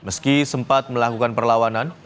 meski sempat melakukan perlawanan